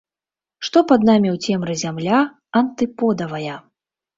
Што пад намі ў цемры зямля антыподавая.